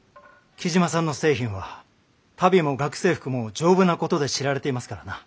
雉真さんの製品は足袋も学生服も丈夫なことで知られていますからな。